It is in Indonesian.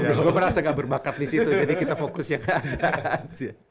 gua merasa gak berbakat disitu jadi kita fokus yang keadaan sih